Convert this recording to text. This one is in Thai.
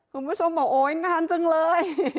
คุณผู้ชมบอกโอ๊ยงานจังเลย